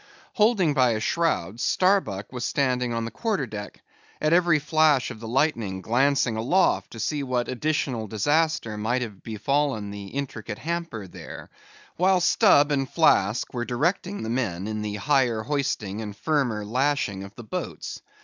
Holding by a shroud, Starbuck was standing on the quarter deck; at every flash of the lightning glancing aloft, to see what additional disaster might have befallen the intricate hamper there; while Stubb and Flask were directing the men in the higher hoisting and firmer lashing of the boats.